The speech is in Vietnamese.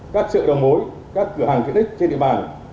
các sợi đồng mối các cửa hàng tiện ích trên địa bàn